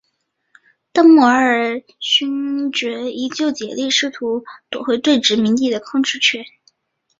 邓莫尔勋爵依旧竭力试图夺回对殖民地的控制权。